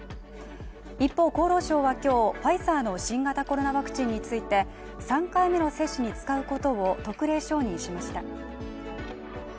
一方厚労省は今日、ファイザーの新型コロナワクチンについて、３回目の接種に使うことを特例承認しました。